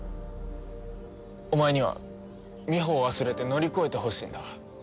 お前にはみほを忘れて乗り越えてほしいんだ。